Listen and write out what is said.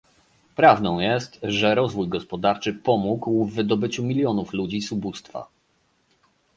Prawdą jest, że rozwój gospodarczy pomógł w wydobyciu milionów ludzi z ubóstwa